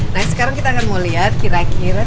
nah sekarang kita akan mau lihat kira kira